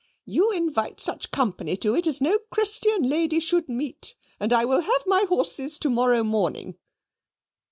"You invite such company to it as no Christian lady should meet, and I will have my horses to morrow morning."